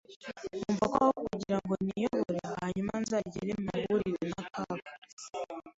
nkumva aho kugira ngo niyobore hanyuma nzagere mpahurire n’akaga